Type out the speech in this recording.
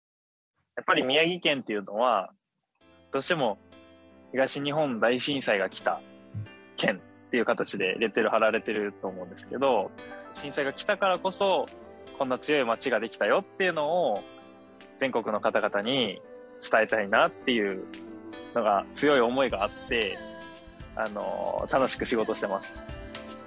やっぱり宮城県っていうのはどうしても東日本大震災が来た県っていう形でレッテル貼られてると思うんですけど震災が来たからこそこんな強い町ができたよっていうのを全国の方々に伝えたいなっていうのが強い思いがあって楽しく仕事してます。